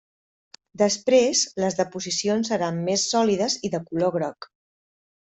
Després les deposicions seran més sòlides i de color groc.